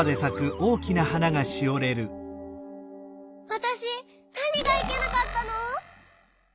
わたしなにがいけなかったの！？